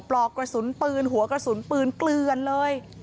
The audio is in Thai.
ปลอกกระสุนปืนหัวกระสุนปืนเกลือนเลย